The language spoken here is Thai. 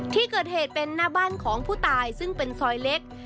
ที่เกิดเหตุเป็นหน้าบ้านของผู้ตายซึ่งเป็นซอยเล็ก